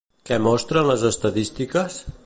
Què mostren les estadístiques?